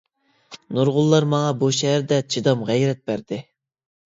نۇرغۇنلار ماڭا بۇ شەھەردە چىدام غەيرەت بەردى.